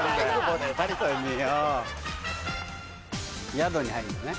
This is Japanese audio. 宿に入るのね。